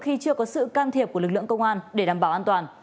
khi chưa có sự can thiệp của lực lượng công an để đảm bảo an toàn